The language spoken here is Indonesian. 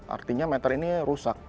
artinya meter ini rusak